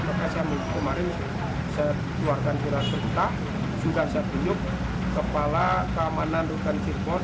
saya keluarkan kira kira juga saya tunjuk kepala kamanan rutan cirebon